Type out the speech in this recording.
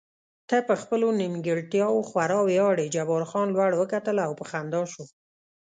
ته په خپلو نیمګړتیاوو خورا ویاړې، جبار خان لوړ وکتل او په خندا شو.